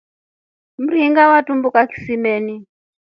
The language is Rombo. Mringa watumbuka kisimeni.